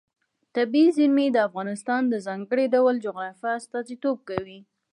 طبیعي زیرمې د افغانستان د ځانګړي ډول جغرافیه استازیتوب کوي.